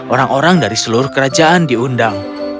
orang orang dari seluruh kerajaan diundang